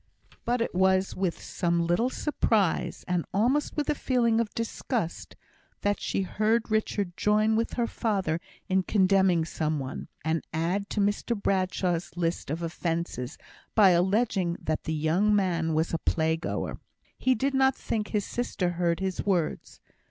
But it was with some little surprise, and almost with a feeling of disgust, that she heard Richard join with her father in condemning some one, and add to Mr Bradshaw's list of offences, by alleging that the young man was a playgoer. He did not think his sister heard his words.